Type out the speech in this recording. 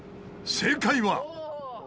正解は？